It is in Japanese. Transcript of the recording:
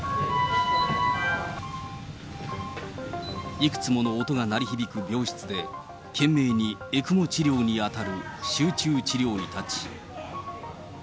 いくつもの音が鳴り響く病室で、懸命にＥＣＭＯ治療に当たる集中治療医たち。